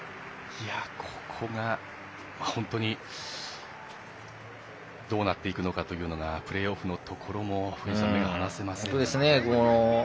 本当にどうなっていくのかというのがプレーオフのところも目が離せませんね。